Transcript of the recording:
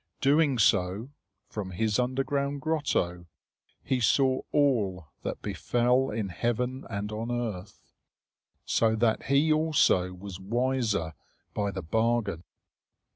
Doing so, from his underground grotto he saw all that befell in heaven and on earth. So that he also was wiser by the bargain.